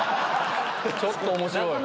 ちょっと面白い。